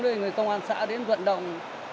thì người công an xã đến vận động